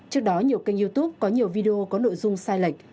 trước đó nhiều kênh youtube có nhiều video có nội dung sai lệch